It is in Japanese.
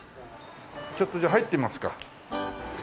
ちょっとじゃあ入ってみますか。